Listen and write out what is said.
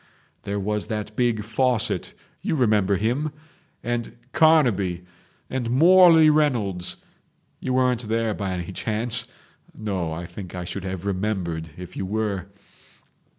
There was that big Fawcett—you remember him?—and Carnaby and Morley Reynolds. You weren't there by any chance? No, I think I should have remembered if you were